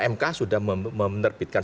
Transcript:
mk sudah menerbitkan